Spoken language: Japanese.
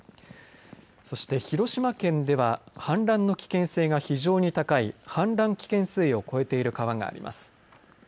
そして広島県では、氾濫の危険性が非常に高い氾濫危険水位を超えている川があります。